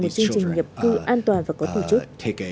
một chương trình nhập cư an toàn và có tổ chức